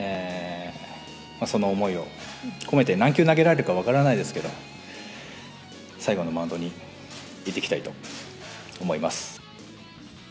その思いを込めて、何球投げられるか分からないですけど、最後のマウンドに行ってきたいと思います。